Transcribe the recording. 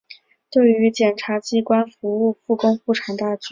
对于检察机关服务复工复产大局